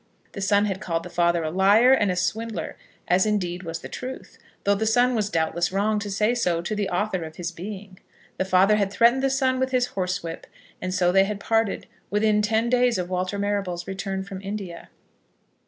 The son had called the father a liar and a swindler, as, indeed, was the truth, though the son was doubtless wrong to say so to the author of his being. The father had threatened the son with his horsewhip; and so they had parted, within ten days of Walter Marrable's return from India.